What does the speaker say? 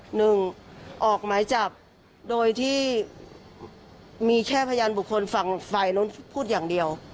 หนึ่งออกหมายจับโดยที่มีแค่พยานบุคคลฝั่งฝ่ายนู้นพูดอย่างเดียว